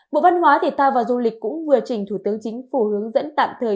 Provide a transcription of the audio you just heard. bộ văn hóa thể thao và du lịch cũng vừa trình thủ tướng chính phủ hướng dẫn tạm thời